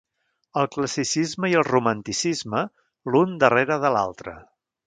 El classicisme i el romanticisme l'un darrere de l'altre.